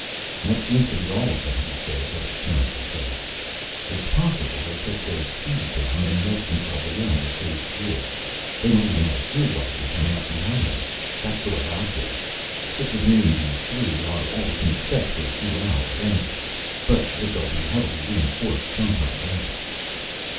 "That seems to be all of them," he said with a turn of his head. "It's possible they kept their speed down and nursed themselves along to save fuel. They might even have a fuel waggon coming up behind them. That's the way I'd do it. It would mean these three are all we can expect for a few hours, anyway, but that they'll be heavily reinforced some time later."